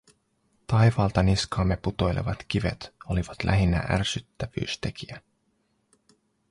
Taivaalta niskaamme putoilevat kivet olivat lähinnä ärsyttävyystekijä.